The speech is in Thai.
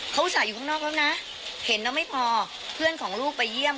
เขาอุตส่าห์อยู่ข้างนอกแล้วนะเห็นแล้วไม่พอเพื่อนของลูกไปเยี่ยม